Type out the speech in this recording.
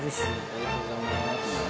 ありがとうございます。